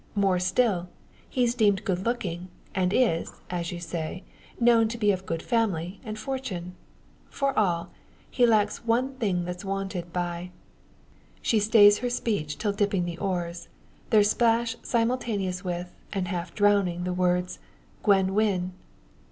More still; he's deemed good looking, and is, as you say; known to be of good family and fortune. For all, he lacks one thing that's wanted by " She stays her speech till dipping the oars their splash, simultaneous with, and half drowning, the words, "Gwen Wynn."